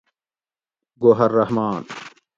گوہر رحمان